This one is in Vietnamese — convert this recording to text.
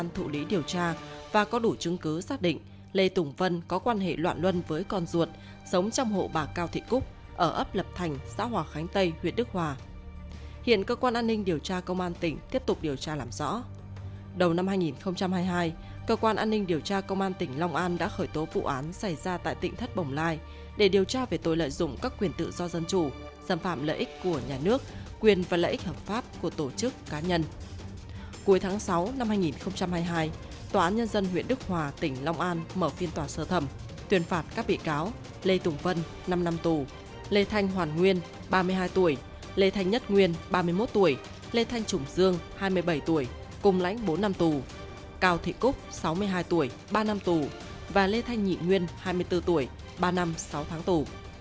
tuyên phạt các bị cáo lê tùng vân năm năm tù lê thanh hoàn nguyên ba mươi hai tuổi lê thanh nhất nguyên ba mươi một tuổi lê thanh trùng dương hai mươi bảy tuổi cùng lãnh bốn năm tù cao thị cúc sáu mươi hai tuổi ba năm tù và lê thanh nhị nguyên hai mươi bốn tuổi ba năm sáu tháng tù